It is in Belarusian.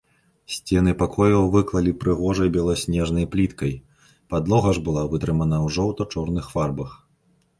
Сцены пакояў выклалі прыгожай беласнежнай пліткай, падлога ж была вытрымана ў жоўта-чорных фарбах.